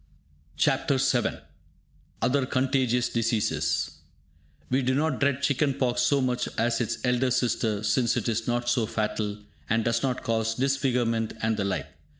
CHAPTER VII OTHER CONTAGIOUS DISEASES We do not dread chicken pox so much as its elder sister, since it is not so fatal, and does not cause disfigurement and the like.